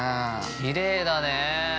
◆きれいだね。